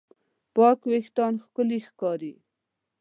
پاک وېښتيان ښکلي ښکاري.